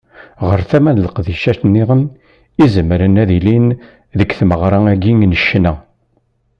Ɣer tama n leqdicat-nniḍen i izemren ad ilin deg tmeɣra-agi n ccna.